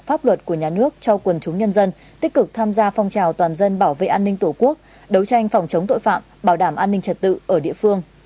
pháp luật của nhà nước cho quần chúng nhân dân tích cực tham gia phong trào toàn dân bảo vệ an ninh tổ quốc đấu tranh phòng chống tội phạm bảo đảm an ninh trật tự ở địa phương